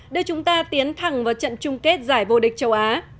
đưa chúng ta tiến thẳng vào trận chung kết giải vô địch châu á